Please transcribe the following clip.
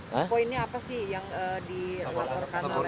poinnya apa sih yang dilaporkan